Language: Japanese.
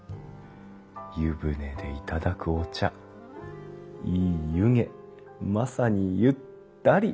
湯船で頂くお茶いい湯気まさにゆ・ったり。